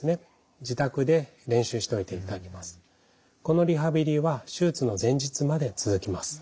このリハビリは手術の前日まで続きます。